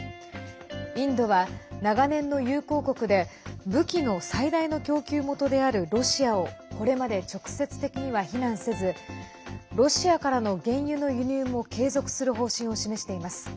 インドは長年の友好国で武器の最大の供給元であるロシアをこれまで直接的には非難せずロシアからの原油の輸入も継続する方針を示しています。